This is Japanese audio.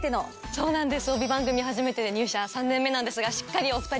そうなんです。